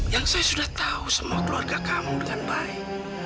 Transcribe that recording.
yang saya sudah tahu semua keluarga kamu dengan baik